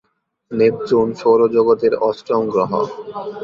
Neptune সৌরজগতের অষ্টম গ্রহ।